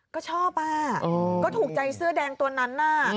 ก็ชอบอ่ะก็ถูกใจเสื้อแดงตัวนั้นน่ะ